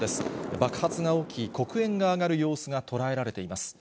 爆発が起き、黒煙が上がる様子が捉えられています。